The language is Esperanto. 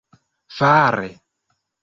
fare